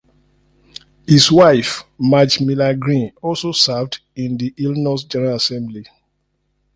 His wife Madge Miller Green also served in the Illinois General Assembly.